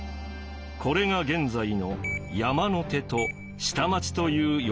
これが現在の山の手と下町という呼び方につながります。